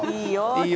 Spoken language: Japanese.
いいよ。